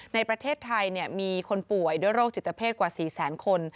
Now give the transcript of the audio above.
ในประเทศไทยมีคนป่วยด้วยโรคจิตเพศกว่า๔แสนคน